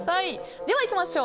では、いきましょう。